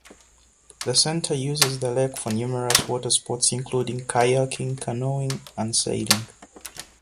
The center uses the lake for numerous water sports including kayaking, canoeing and sailing.